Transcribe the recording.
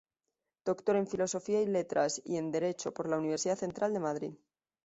Doctor en Filosofía y Letras y en Derecho por la Universidad Central de Madrid.